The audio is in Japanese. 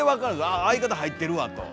「あっ相方入ってるわ」と。